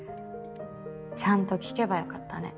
ちゃんと聞けばよかったね。